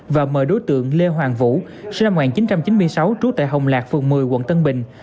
và mời đối tượng lê hoàng vũ sinh năm một nghìn chín trăm chín mươi sáu trú tại hồng lạc phường một mươi quận tân bình